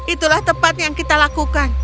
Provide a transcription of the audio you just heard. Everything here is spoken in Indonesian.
itulah tepat yang kita lakukan